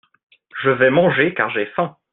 Je vais manger car j'ai faim.